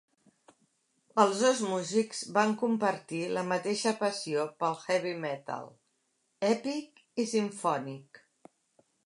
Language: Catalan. Els dos músics van compartir la mateixa passió pel Heavy Metal èpic i simfònic.